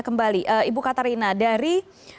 kembali ibu katarina dari